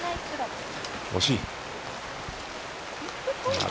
惜しい。